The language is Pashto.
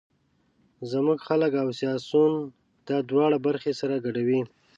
زموږ خلک او سیاسون دا دواړه برخې سره ګډوي.